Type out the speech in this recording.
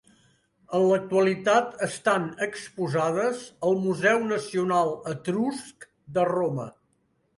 En l'actualitat estan exposades al Museu Nacional Etrusc de Roma.